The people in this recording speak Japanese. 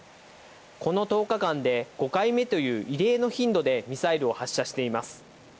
この１０日間で５回目という異例の頻度でミサイルを発射しています。